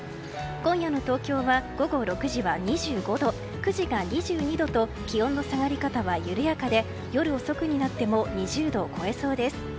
今夜の東京は、午後６時は２５度９時が２２度と気温の下がり方は緩やかで夜遅くになっても２０度を超えそうです。